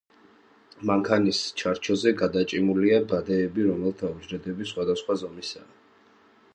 მანქანის ჩარჩოზე გადაჭიმულია ბადეები, რომელთა უჯრედები სხვადასხვა ზომისაა.